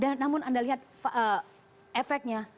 namun anda lihat efeknya